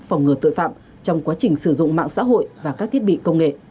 phòng ngừa tội phạm trong quá trình sử dụng mạng xã hội và các thiết bị công nghệ